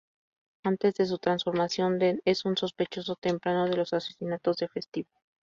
Antes de su transformación, Dent es un sospechoso temprano de los asesinatos de Festivo.